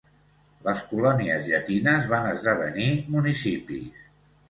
Les colònies llatines van esdevenir municipis.